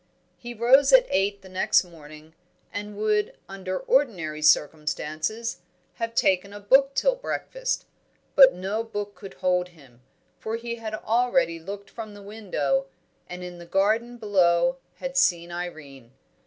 He rose at eight the next morning, and would, under ordinary circumstances, have taken a book till breakfast. But no book could hold him, for he had already looked from the window, and in the garden below had seen Irene.